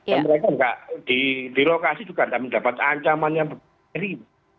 dan mereka di lokasi juga akan mendapat ancaman yang berbeda